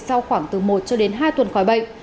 sau khoảng từ một cho đến hai tuần khỏi bệnh